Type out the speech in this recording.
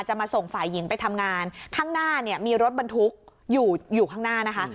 มาส่งฝ่ายหญิงไปทำงานข้างหน้าเนี่ยมีรถบรรทุกอยู่อยู่ข้างหน้านะคะ